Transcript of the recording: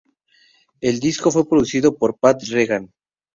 El disco fue producido por Pat Regan.